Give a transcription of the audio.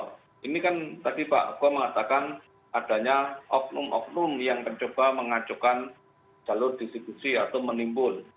mungkin tadi pak agung mengatakan adanya oknum oknum yang mencoba mengajukan jalur distribusi atau menimbul